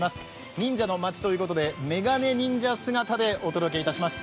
忍者の町ということでメガネ忍者姿でお届けいたします。